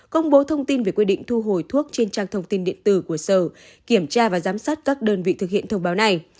công bố thông tin về quy định thu hồi thuốc trên trang thông tin điện tử của sở kiểm tra và giám sát các đơn vị thực hiện thông báo này